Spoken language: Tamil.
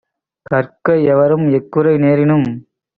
கற்க எவரும்; எக்குறை நேரினும்